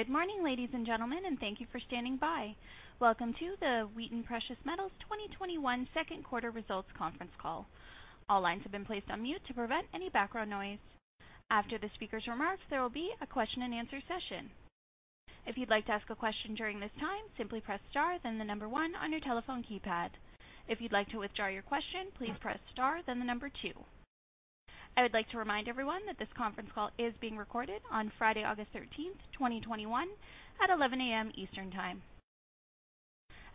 Good morning, ladies and gentlemen, and thank you for standing by. Welcome to the Wheaton Precious Metals 2021 Q2 Results Conference Call. All lines have been placed on mute to prevent any background noise. After the speakers' remarks, there will be a question and answer session. If you'd like to ask a question during this time, simply press star then the number one on your telephone keypad. If you'd like to withdraw your question, please press star then the number two. I would like to remind everyone that this conference call is being recorded on Friday, August 13th, 2021, at 11:00 A.M. Eastern Time.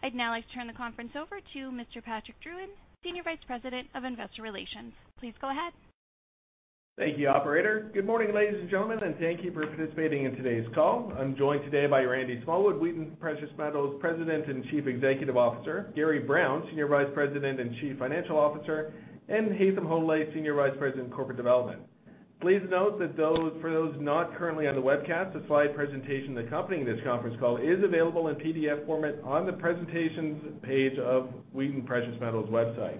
I'd now like to turn the conference over to Mr. Patrick Drouin, Senior Vice President of Investor Relations. Please go ahead. Thank you, operator. Good morning, ladies and gentlemen. Thank you for participating in today's call. I'm joined today by Randy Smallwood, Wheaton Precious Metals President and Chief Executive Officer, Gary Brown, Senior Vice President and Chief Financial Officer, and Haytham Hodaly, Senior Vice President, Corporate Development. Please note that for those not currently on the webcast, the slide presentation accompanying this conference call is available in PDF format on the presentations page of Wheaton Precious Metals' website.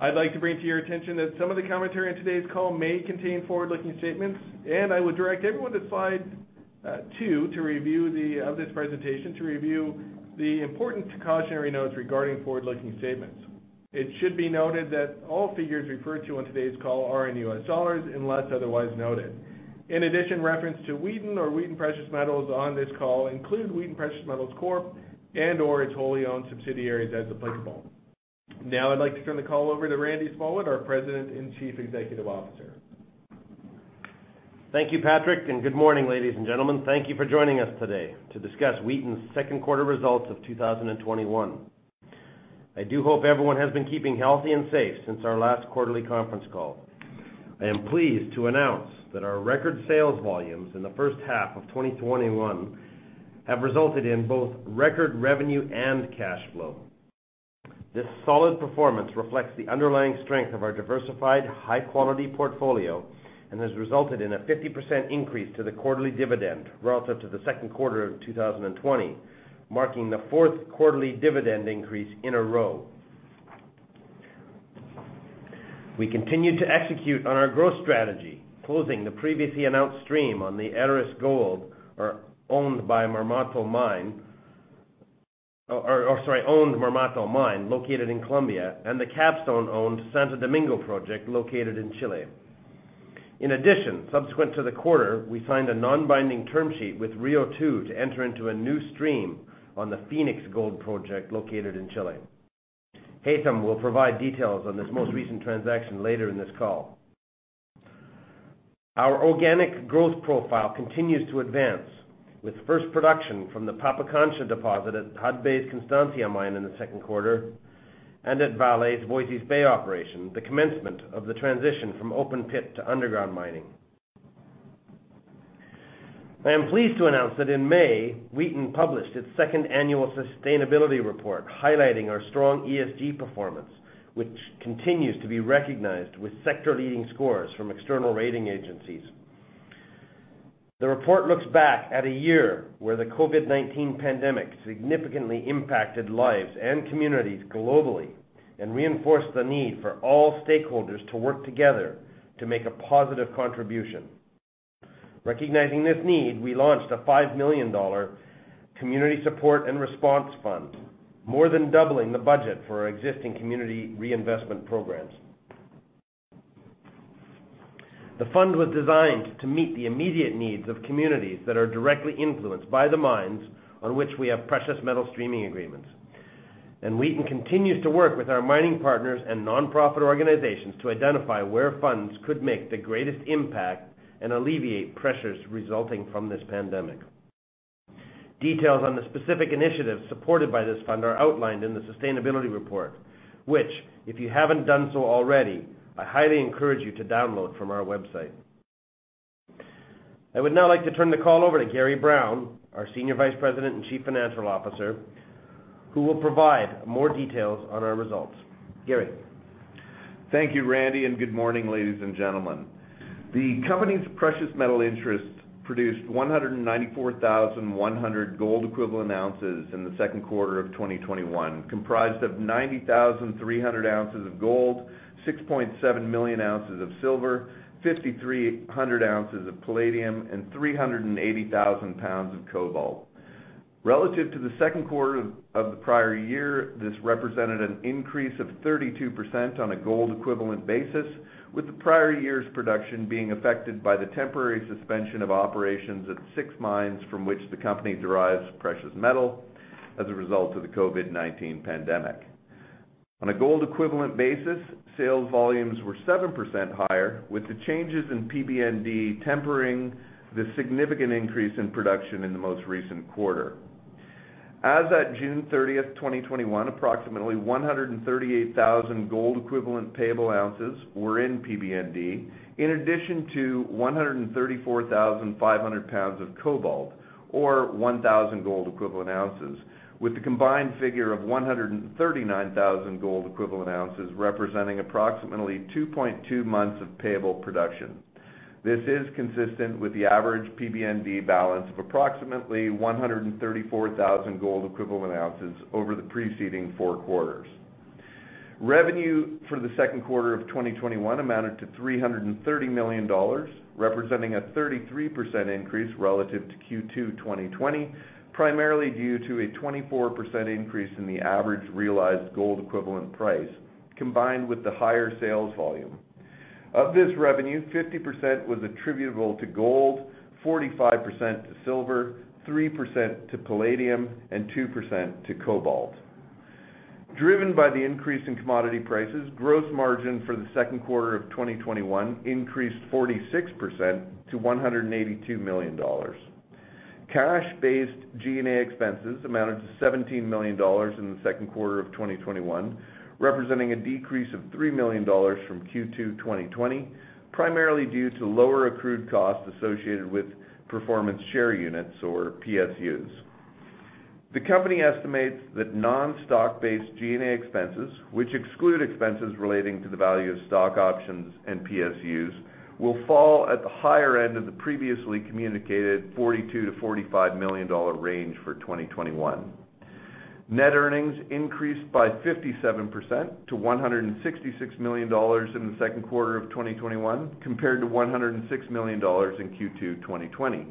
I'd like to bring to your attention that some of the commentary on today's call may contain forward-looking statements, and I would direct everyone to slide two of this presentation to review the important cautionary notes regarding forward-looking statements. It should be noted that all figures referred to on today's call are in U.S. dollars unless otherwise noted. Reference to Wheaton or Wheaton Precious Metals on this call include Wheaton Precious Metals Corp. and/or its wholly owned subsidiaries as applicable. I'd like to turn the call over to Randy Smallwood, our President and Chief Executive Officer. Thank you, Patrick. Good morning, ladies and gentlemen. Thank you for joining us today to discuss Wheaton's Q2 results of 2021. I do hope everyone has been keeping healthy and safe since our last quarterly conference call. I am pleased to announce that our record sales volumes in the first half of 2021 have resulted in both record revenue and cash flow. This solid performance reflects the underlying strength of our diversified high-quality portfolio and has resulted in a 50% increase to the quarterly dividend relative to the Q2 of 2020, marking the fourth quarterly dividend increase in a row. We continue to execute on our growth strategy, closing the previously announced stream on the Aris Gold-owned Marmato mine, located in Colombia, and the Capstone-owned Santo Domingo project located in Chile. Subsequent to the quarter, we signed a non-binding term sheet with Rio2 to enter into a new stream on the Fenix Gold Project located in Chile. Haytham will provide details on this most recent transaction later in this call. Our organic growth profile continues to advance with first production from the Pampacancha deposit at Hudbay's Constancia mine in the Q2 and at Vale's Voisey's Bay operation, the commencement of the transition from open pit to underground mining. I am pleased to announce that in May, Wheaton published its second annual sustainability report highlighting our strong ESG performance, which continues to be recognized with sector leading scores from external rating agencies. The report looks back at a year where the COVID-19 pandemic significantly impacted lives and communities globally and reinforced the need for all stakeholders to work together to make a positive contribution. Recognizing this need, we launched a $5 million community support and response fund, more than doubling the budget for our existing community reinvestment programs. The fund was designed to meet the immediate needs of communities that are directly influenced by the mines on which we have precious metal streaming agreements. Wheaton continues to work with our mining partners and nonprofit organizations to identify where funds could make the greatest impact and alleviate pressures resulting from this pandemic. Details on the specific initiatives supported by this fund are outlined in the sustainability report, which, if you haven't done so already, I highly encourage you to download from our website. I would now like to turn the call over to Gary Brown, our Senior Vice President and Chief Financial Officer, who will provide more details on our results. Gary. Thank you, Randy, and good morning, ladies and gentlemen. The company's precious metal interest produced 194,100 gold equivalent ounces in the Q2 of 2021, comprised of 90,300 ounces of gold, 6.7 million ounces of silver, 5,300 ounces of palladium, and 380,000 pounds of cobalt. Relative to the Q2 of the prior year, this represented an increase of 32% on a gold equivalent basis, with the prior year's production being affected by the temporary suspension of operations at six mines from which the company derives precious metal as a result of the COVID-19 pandemic. On a gold equivalent basis, sales volumes were 7% higher, with the changes in PBND tempering the significant increase in production in the most recent quarter. As at June 30th, 2021, approximately 138,000 gold equivalent payable ounces were in PBND, in addition to 134,500 pounds of cobalt or 1,000 gold equivalent ounces, with the combined figure of 139,000 gold equivalent ounces representing approximately 2.2 months of payable production. This is consistent with the average PBND balance of approximately 134,000 gold equivalent ounces over the preceding four quarters. Revenue for the Q2 of 2021 amounted to $330 million, representing a 33% increase relative to Q2 2020, primarily due to a 24% increase in the average realized gold equivalent price, combined with the higher sales volume. Of this revenue, 50% was attributable to gold, 45% to silver, 3% to palladium, and 2% to cobalt. Driven by the increase in commodity prices, gross margin for the Q2 of 2021 increased 46% to $182 million. Cash-based G&A expenses amounted to $17 million in the Q2 of 2021, representing a decrease of $3 million from Q2 2020, primarily due to lower accrued costs associated with Performance Share Units or PSUs. The company estimates that non-stock-based G&A expenses, which exclude expenses relating to the value of stock options and PSUs, will fall at the higher end of the previously communicated $42 million-$45 million range for 2021. Net earnings increased by 57% to $166 million in the Q2 of 2021, compared to $106 million in Q2 2020.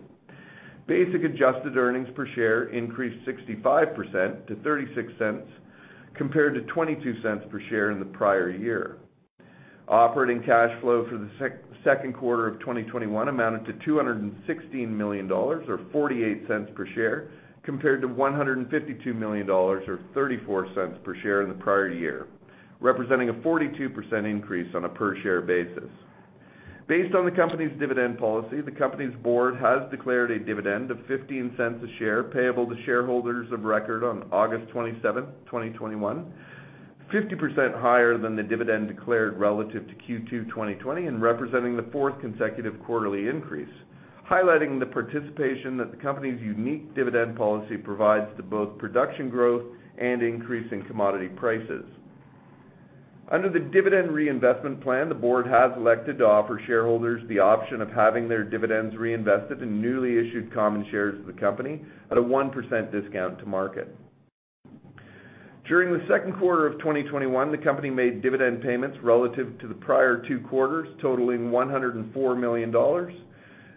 Basic adjusted earnings per share increased 65% to $0.36, compared to $0.22 per share in the prior year. Operating cash flow for the Q2 of 2021 amounted to $216 million, or $0.48 per share, compared to $152 million or $0.34 per share in the prior year, representing a 42% increase on a per share basis. Based on the company's dividend policy, the company's board has declared a dividend of $0.15 a share payable to shareholders of record on August 27th, 2021, 50% higher than the dividend declared relative to Q2 2020 and representing the fourth consecutive quarterly increase, highlighting the participation that the company's unique dividend policy provides to both production growth and increase in commodity prices. Under the dividend reinvestment plan, the board has elected to offer shareholders the option of having their dividends reinvested in newly issued common shares of the company at a 1% discount to market. During the Q2 of 2021, the company made dividend payments relative to the prior two quarters, totaling $104 million,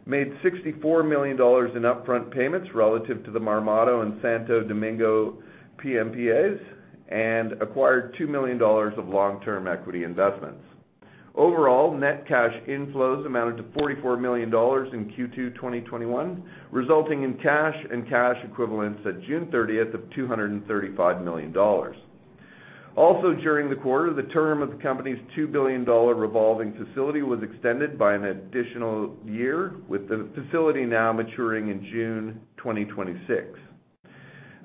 made $64 million in upfront payments relative to the Marmato and Santo Domingo PMPAs, and acquired $2 million of long-term equity investments. Overall, net cash inflows amounted to $44 million in Q2 2021, resulting in cash and cash equivalents at June 30th of $235 million. Also during the quarter, the term of the company's $2 billion revolving facility was extended by an additional year, with the facility now maturing in June 2026.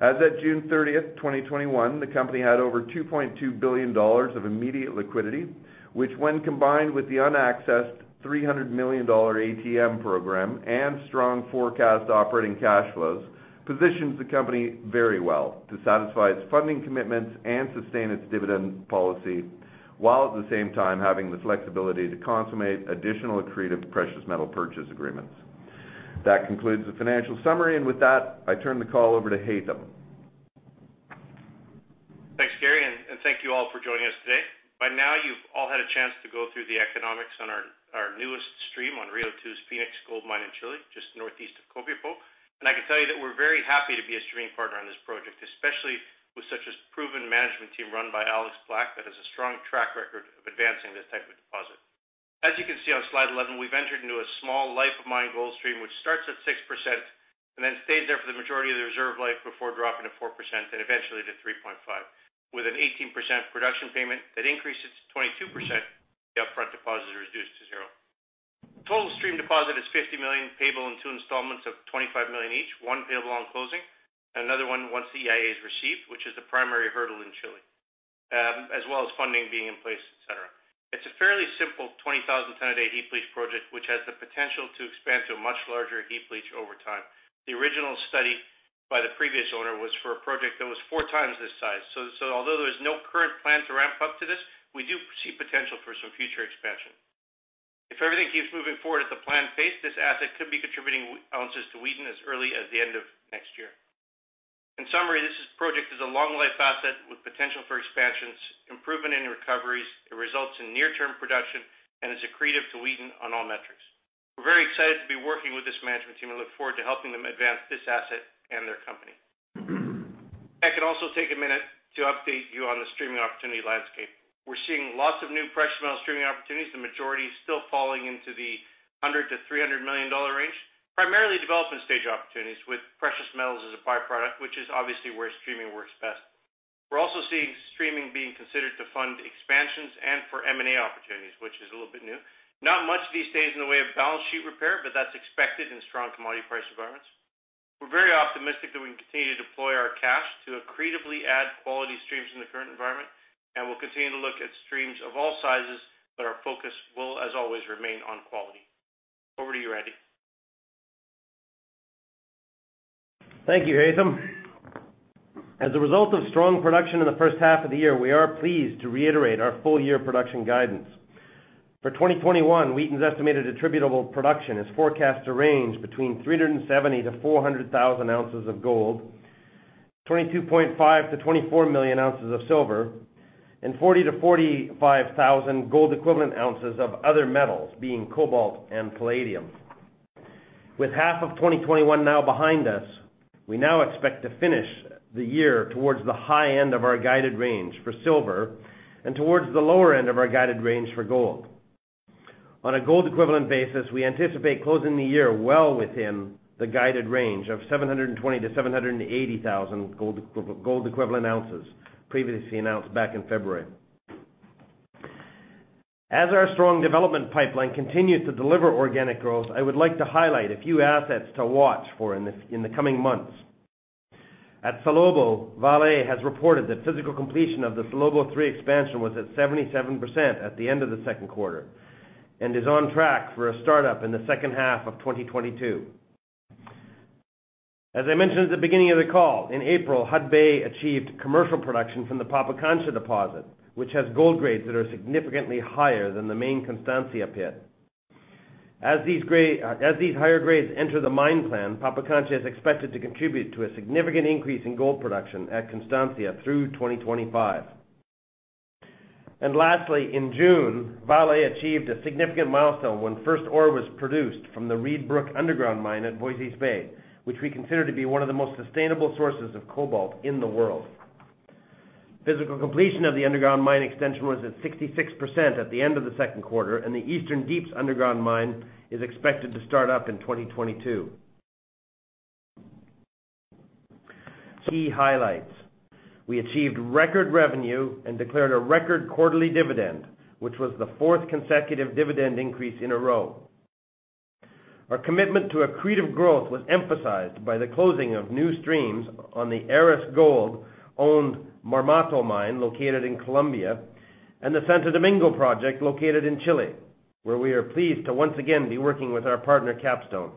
As of June 30th, 2021, the company had over $2.2 billion of immediate liquidity, which when combined with the unaccessed $300 million ATM program and strong forecast operating cash flows, positions the company very well to satisfy its funding commitments and sustain its dividend policy, while at the same time having the flexibility to consummate additional accretive Precious Metals Purchase Agreements. That concludes the financial summary. With that, I turn the call over to Haytham. Thanks, Gary. Thank you all for joining us today. By now, you've all had a chance to go through the economics on our newest stream on Rio2's Fenix Gold Project in Chile, just northeast of Copiapó. I can tell you that we're very happy to be a streaming partner on this project, especially with such a proven management team run by Alex Black that has a strong track record of advancing this type of deposit. As you can see on slide 11, we've entered into a small life of mine gold stream, which starts at 6% and then stays there for the majority of the reserve life before dropping to 4% and eventually to 3.5%. With an 18% production payment that increases to 22%, the upfront deposit is reduced to zero. Total stream deposit is $50 million, payable in two installments of $25 million each, one payable on closing, and another one once the EIA is received, which is the primary hurdle in Chile, as well as funding being in place, et cetera. It's a fairly simple 20,000 ton a day heap leach project, which has the potential to expand to a much larger heap leach over time. The original study by the previous owner was for a project that was four times this size. Although there is no current plan to ramp up to this, we do see potential for some future expansion. If everything keeps moving forward at the planned pace, this asset could be contributing ounces to Wheaton as early as the end of next year. In summary, this project is a long life asset with potential for expansions, improvement in recoveries, it results in near term production, and is accretive to Wheaton on all metrics. We're very excited to be working with this management team and look forward to helping them advance this asset and their company. I could also take a minute to update you on the streaming opportunity landscape. We're seeing lots of new precious metal streaming opportunities, the majority still falling into the $100 million-$300 million range, primarily development stage opportunities with precious metals as a by-product, which is obviously where streaming works best. We're also seeing streaming being considered to fund expansions and for M&A opportunities, which is a little bit new. Not much these days in the way of balance sheet repair, but that's expected in strong commodity price environments. We're very optimistic that we can continue to deploy our cash to accretively add quality streams in the current environment, and we'll continue to look at streams of all sizes, but our focus will, as always, remain on quality. Over to you, Randy. Thank you, Haytham. As a result of strong production in the first half of the year, we are pleased to reiterate our full year production guidance. For 2021, Wheaton's estimated attributable production is forecast to range between 370,000 ounces-400,000 ounces of gold, 22.5 million ounces-24 million ounces of silver, and 40,000 gold equivalent ounces-45,000 gold equivalent ounces of other metals, being cobalt and palladium. With half of 2021 now behind us, we now expect to finish the year towards the high end of our guided range for silver and towards the lower end of our guided range for gold. On a gold equivalent basis, we anticipate closing the year well within the guided range of 720,000 gold equivalent ounces-780,000 gold equivalent ounces previously announced back in February. As our strong development pipeline continues to deliver organic growth, I would like to highlight a few assets to watch for in the coming months. At Salobo, Vale has reported that physical completion of the Salobo III expansion was at 77% at the end of the Q2, and is on track for a startup in the second half of 2022. As I mentioned at the beginning of the call, in April, Hudbay achieved commercial production from the Pampacancha deposit, which has gold grades that are significantly higher than the main Constancia pit. As these higher grades enter the mine plan, Pampacancha is expected to contribute to a significant increase in gold production at Constancia through 2025. Lastly, in June, Vale achieved a significant milestone when first ore was produced from the Reid Brook underground mine at Voisey's Bay, which we consider to be one of the most sustainable sources of cobalt in the world. Physical completion of the underground mine extension was at 66% at the end of the Q2. The Eastern Deeps underground mine is expected to start up in 2022. Key highlights. We achieved record revenue and declared a record quarterly dividend, which was the fourth consecutive dividend increase in a row. Our commitment to accretive growth was emphasized by the closing of new streams on the Aris Gold-owned Marmato mine located in Colombia and the Santo Domingo project located in Chile, where we are pleased to once again be working with our partner, Capstone.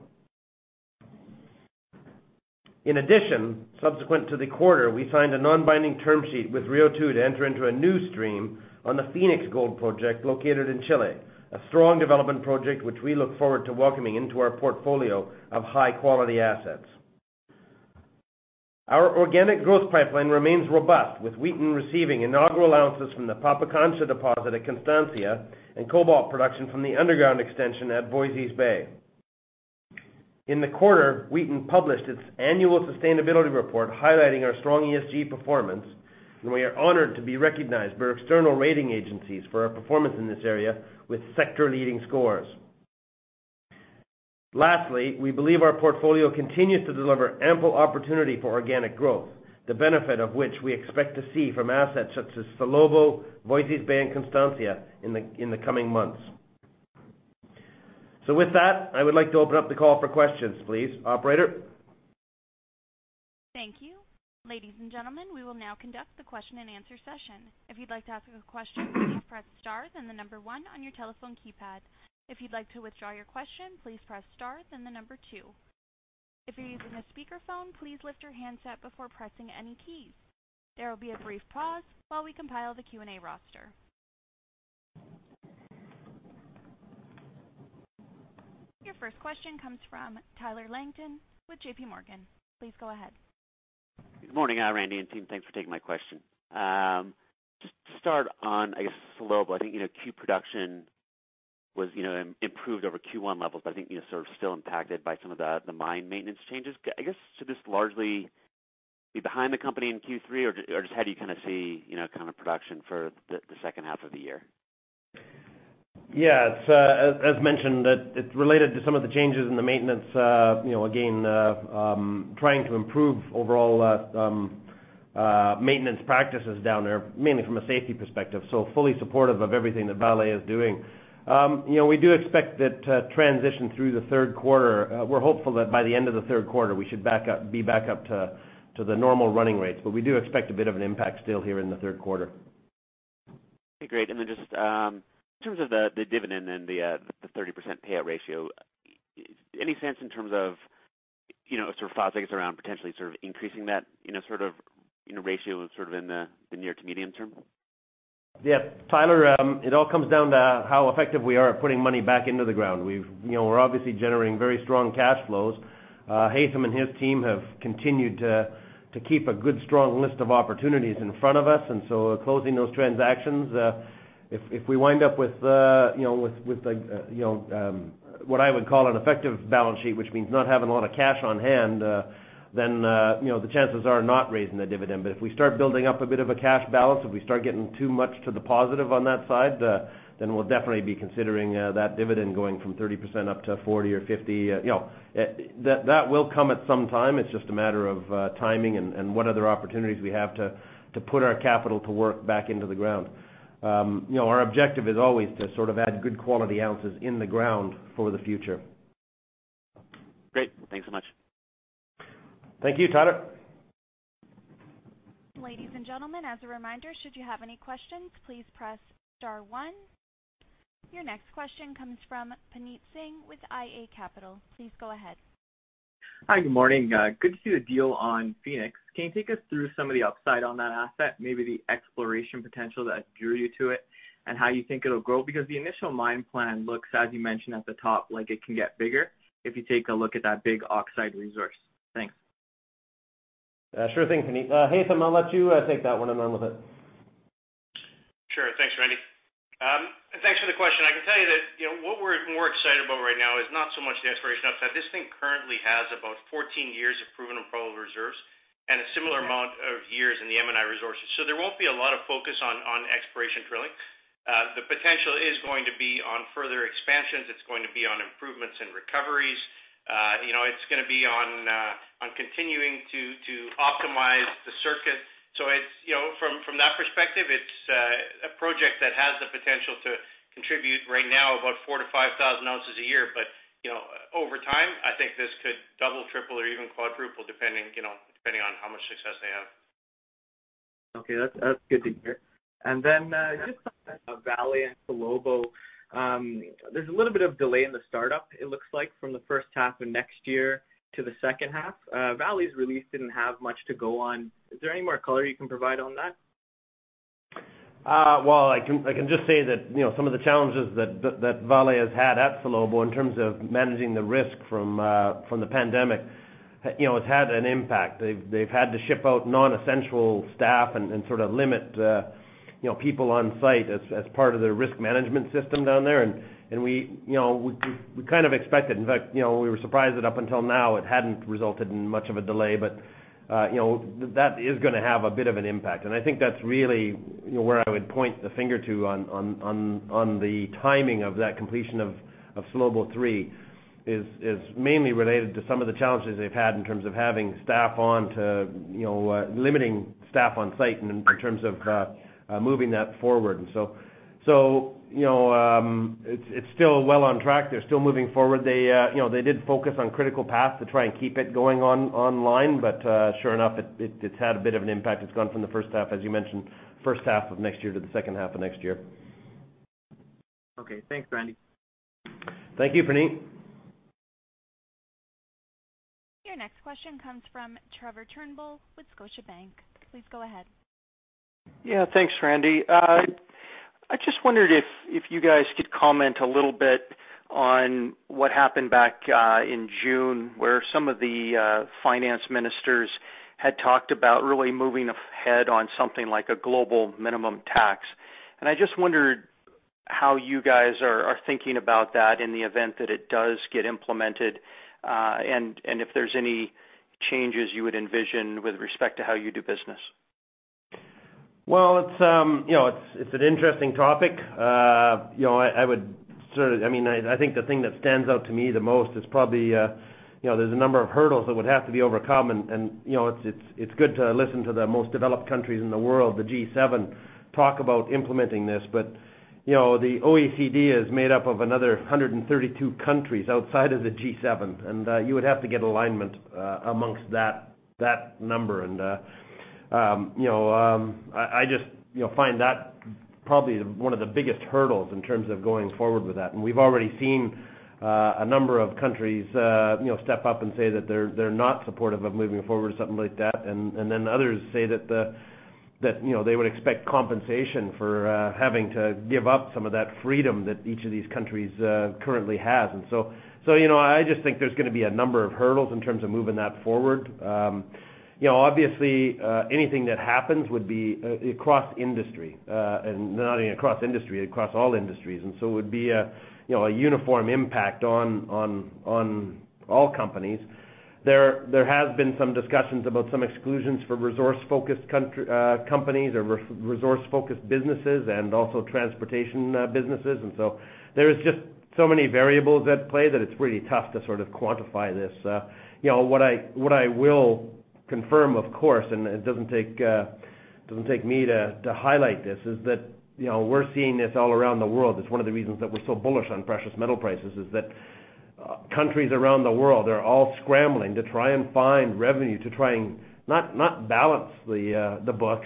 In addition, subsequent to the quarter, we signed a non-binding term sheet with Rio2 to enter into a new stream on the Fenix Gold Project located in Chile, a strong development project, which we look forward to welcoming into our portfolio of high-quality assets. Our organic growth pipeline remains robust with Wheaton receiving inaugural ounces from the Pampacancha deposit at Constancia, and cobalt production from the underground extension at Voisey's Bay. In the quarter, Wheaton published its annual sustainability report highlighting our strong ESG performance. We are honored to be recognized by our external rating agencies for our performance in this area with sector-leading scores. Lastly, we believe our portfolio continues to deliver ample opportunity for organic growth, the benefit of which we expect to see from assets such as Salobo, Voisey's Bay, and Constancia in the coming months. With that, I would like to open up the call for questions, please. Operator? Thank you. Ladies and gentlemen, we will now conduct the question and answer session. If you'd like to ask a question, please press star, then the number one on your telephone keypad. If you'd like to withdraw your question, please press star, then the number two. If you're using a speakerphone, please lift your handset before pressing any keys. There will be a brief pause while we compile the Q&A roster. Your first question comes from Tyler Langton with JPMorgan. Please go ahead. Good morning, Randy and team. Thanks for taking my question. Just to start on, I guess, Salobo, I think Q production improved over Q1 levels, but I think sort of still impacted by some of the mine maintenance changes. I guess, should this largely be behind the company in Q3 or just how do you kind of see production for the second half of the year? Yeah. As mentioned, it's related to some of the changes in the maintenance, again, trying to improve overall maintenance practices down there, mainly from a safety perspective. Fully supportive of everything that Vale is doing. We do expect that transition through the Q3. We're hopeful that by the end of the Q3, we should be back up to the normal running rates. We do expect a bit of an impact still here in the Q3. Okay, great. Just in terms of the dividend and the 30% payout ratio, any sense in terms of sort of thoughts, I guess, around potentially sort of increasing that sort of ratio sort of in the near to medium-term? Yeah. Tyler, it all comes down to how effective we are at putting money back into the ground. We're obviously generating very strong cash flows. Haytham and his team have continued to keep a good, strong list of opportunities in front of us, and so are closing those transactions. If we wind up with what I would call an effective balance sheet, which means not having a lot of cash on hand, then the chances are not raising the dividend. If we start building up a bit of a cash balance, if we start getting too much to the positive on that side, then we'll definitely be considering that dividend going from 30% up to 40 or 50. That will come at some time. It's just a matter of timing and what other opportunities we have to put our capital to work back into the ground. Our objective is always to sort of add good quality ounces in the ground for the future. Great. Thanks so much. Thank you, Tyler. Ladies and gentlemen, as a reminder, should you have any questions, please press star one. Your next question comes from Puneet Singh with iA Capital. Please go ahead. Hi. Good morning. Good to see the deal on Fenix. Can you take us through some of the upside on that asset, maybe the exploration potential that drew you to it, and how you think it'll grow? Because the initial mine plan looks, as you mentioned, at the top, like it can get bigger if you take a look at that big oxide resource. Thanks. Sure thing, Puneet. Haytham, I'll let you take that one and run with it. Sure. Thanks, Randy. Thanks for the question. I can tell you that what we're more excited about right now is not so much the exploration upside. This thing currently has about 14 years of proven and probable reserves, and a similar amount of years in the M&I resources. There won't be a lot of focus on exploration drilling. The potential is going to be on further expansions. It's going to be on improvements and recoveries. It's going to be on continuing to optimize the circuit. From that perspective, it's a project that has the potential to contribute right now about 4,000 to 5,000 ounces a year. Over time, I think this could double, triple, or even quadruple depending on how much success they have. Okay. That's good to hear. Just on Vale and Salobo, there's a little bit of delay in the startup, it looks like, from the first half of next year to the second half. Vale's release didn't have much to go on. Is there any more color you can provide on that? Well, I can just say that some of the challenges that Vale has had at Salobo in terms of managing the risk from the pandemic, it had an impact. They've had to ship out non-essential staff and sort of limit people on site as part of their risk management system down there. We kind of expect it. In fact, we were surprised that up until now it hadn't resulted in much of a delay. That is going to have a bit of an impact. I think that's really where I would point the finger to on the timing of that completion of Salobo III is mainly related to some of the challenges they've had in terms of having staff on to limiting staff on site and in terms of moving that forward. It's still well on track. They're still moving forward. They did focus on critical path to try and keep it going online. Sure enough, it's had a bit of an impact. It's gone from the first half, as you mentioned, first half of next year to the second half of next year. Okay. Thanks, Randy. Thank you, Puneet. Your next question comes from Trevor Turnbull with Scotiabank. Please go ahead. Yeah. Thanks, Randy. I just wondered if you guys could comment a little bit on what happened back in June where some of the finance ministers had talked about really moving ahead on something like a global minimum tax. I just wondered how you guys are thinking about that in the event that it does get implemented, and if there's any changes you would envision with respect to how you do business. Well, it's an interesting topic. I think the thing that stands out to me the most is probably there's a number of hurdles that would have to be overcome, and it's good to listen to the most developed countries in the world, the G7, talk about implementing this. The OECD is made up of another 132 countries outside of the G7, and you would have to get alignment amongst that number. I just find that probably one of the biggest hurdles in terms of going forward with that. We've already seen a number of countries step up and say that they're not supportive of moving forward with something like that. Then others say that they would expect compensation for having to give up some of that freedom that each of these countries currently has. I just think there's going to be a number of hurdles in terms of moving that forward. Obviously, anything that happens would be across industry, and not even across industry, across all industries. It would be a uniform impact on all companies. There has been some discussions about some exclusions for resource-focused companies or resource-focused businesses and also transportation businesses. There is just so many variables at play that it's really tough to sort of quantify this. What I will confirm, of course, and it doesn't take me to highlight this, is that we're seeing this all around the world. It's one of the reasons that we're so bullish on precious metal prices, is that countries around the world are all scrambling to try and find revenue to try and not balance the books.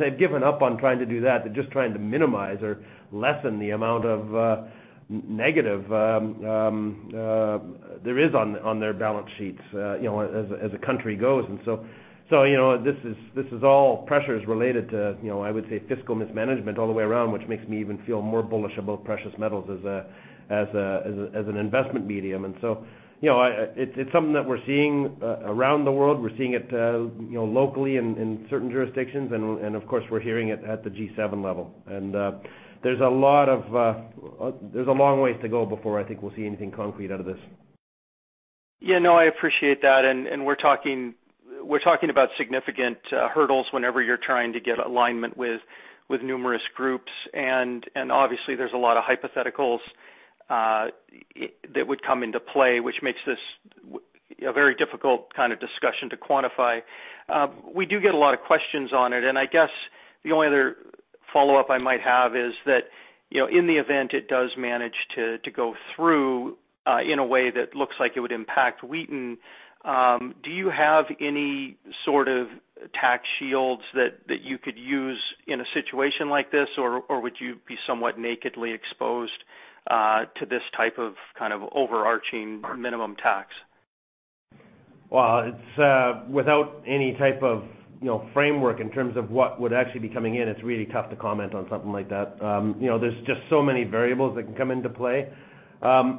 They've given up on trying to do that. They're just trying to minimize or lessen the amount of negative there is on their balance sheets as a country goes. This is all pressures related to I would say fiscal mismanagement all the way around, which makes me even feel more bullish about precious metals as an investment medium. It's something that we're seeing around the world. We're seeing it locally in certain jurisdictions, and of course, we're hearing it at the G7 level. There's a long way to go before I think we'll see anything concrete out of this. Yeah, no, I appreciate that. We're talking about significant hurdles whenever you're trying to get alignment with numerous groups, and obviously there's a lot of hypotheticals that would come into play, which makes this a very difficult kind of discussion to quantify. We do get a lot of questions on it. I guess the only other follow-up I might have is that in the event it does manage to go through in a way that looks like it would impact Wheaton, do you have any sort of tax shields that you could use in a situation like this, or would you be somewhat nakedly exposed to this type of overarching minimum tax? Well, without any type of framework in terms of what would actually be coming in, it's really tough to comment on something like that. There's just so many variables that can come into play. We're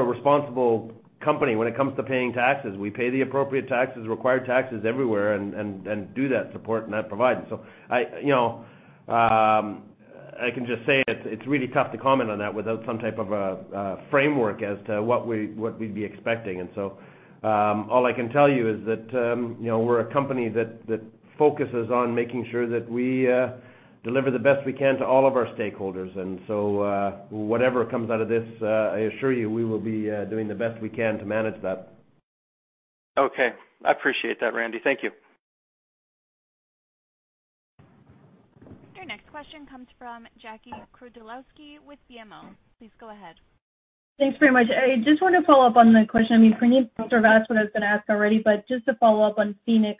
a responsible company when it comes to paying taxes. We pay the appropriate taxes, required taxes everywhere, and do that support and that provide. I can just say, it's really tough to comment on that without some type of a framework as to what we'd be expecting. All I can tell you is that we're a company that focuses on making sure that we deliver the best we can to all of our stakeholders. Whatever comes out of this, I assure you, we will be doing the best we can to manage that. Okay. I appreciate that, Randy. Thank you. Your next question comes from Jackie Przybylowski with BMO. Please go ahead. Thanks very much. I just want to follow up on the question. I mean Puneet sort of asked what I was going to ask already, but just to follow up on Fenix.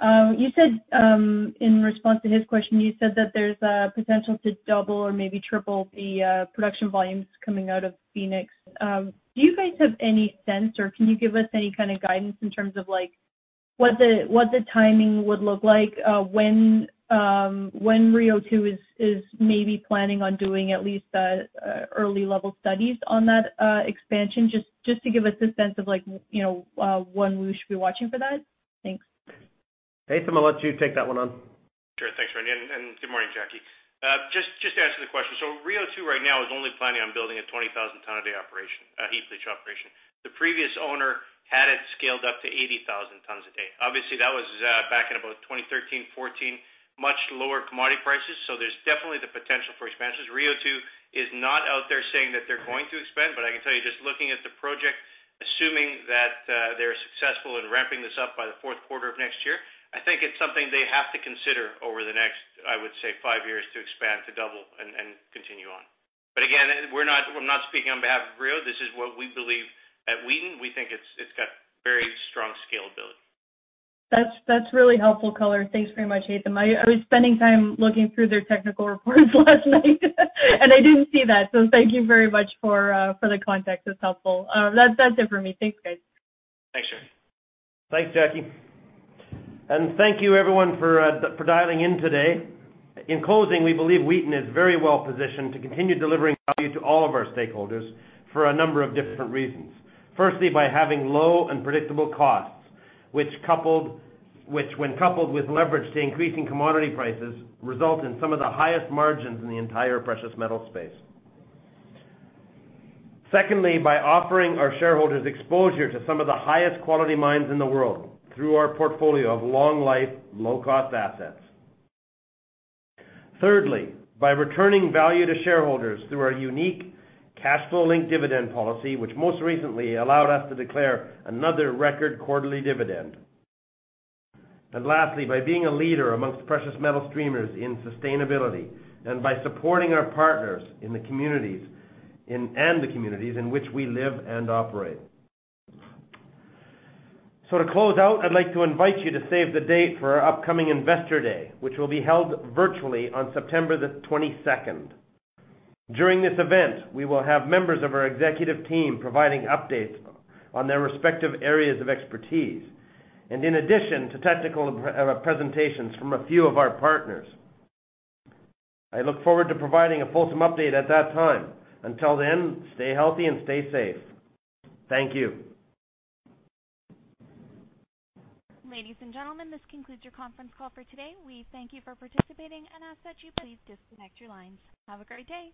In response to his question, you said that there's a potential to double or maybe triple the production volumes coming out of Fenix. Do you guys have any sense, or can you give us any kind of guidance in terms of what the timing would look like, when Rio2 is maybe planning on doing at least early level studies on that expansion? Just to give us a sense of when we should be watching for that. Thanks. Haytham, I'll let you take that one on. Sure. Thanks, Randy, and good morning, Jackie. Rio2 right now is only planning on building a 20,000 tons a day heap leach operation. The previous owner had it scaled up to 80,000 tons a day. Obviously, that was back in about 2013, 2014, much lower commodity prices. There's definitely the potential for expansions. Rio2 is not out there saying that they're going to expand, but I can tell you just looking at the project, assuming that they're successful in ramping this up by the Q4 of next year, I think it's something they have to consider over the next, I would say, five years to expand, to double and continue on. Again, we're not speaking on behalf of Rio. This is what we believe at Wheaton. We think it's got very strong scalability. That's really helpful color. Thanks very much, Haytham. I was spending time looking through their technical reports last night and I didn't see that. Thank you very much for the context. That's helpful. That's it for me. Thanks, guys. Thanks, Jackie. Thanks, Jackie. Thank you everyone for dialing in today. In closing, we believe Wheaton is very well positioned to continue delivering value to all of our stakeholders for a number of different reasons. Firstly, by having low and predictable costs, which when coupled with leverage to increasing commodity prices, result in some of the highest margins in the entire precious metal space. Secondly, by offering our shareholders exposure to some of the highest quality mines in the world through our portfolio of long life, low cost assets. Thirdly, by returning value to shareholders through our unique cash flow linked dividend policy, which most recently allowed us to declare another record quarterly dividend. Lastly, by being a leader amongst precious metal streamers in sustainability, and by supporting our partners and the communities in which we live and operate. To close out, I'd like to invite you to save the date for our upcoming Investor Day, which will be held virtually on September 22nd. During this event, we will have members of our executive team providing updates on their respective areas of expertise, and in addition to technical presentations from a few of our partners. I look forward to providing a fulsome update at that time. Until then, stay healthy and stay safe. Thank you. Ladies and gentlemen, this concludes your conference call for today. We thank you for participating and ask that you please disconnect your lines. Have a great day.